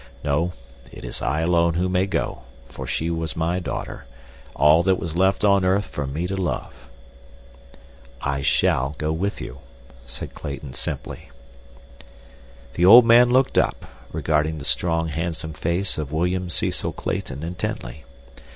"No; it is I alone who may go, for she was my daughter—all that was left on earth for me to love." "I shall go with you," said Clayton simply. The old man looked up, regarding the strong, handsome face of William Cecil Clayton intently.